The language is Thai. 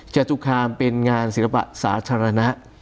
จตุคามเป็นงานศิลปะสาธารณะ